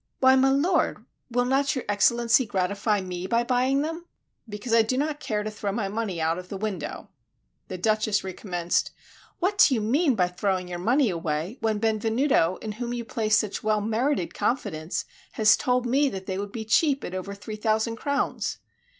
"Why, my lord, will not your Excellency gratify me by buying them?" "Because I do not care to throw my money out of the window." The Duchess recommenced, "What do you mean by throwing your money away, when Benvenuto, in whom you place such well merited confidence, has told me that they would be cheap at over three thousand crowns?"